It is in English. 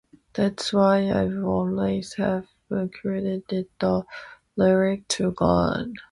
That's why I've always half credited the lyric to God.